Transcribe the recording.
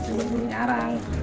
ini bambu nyarang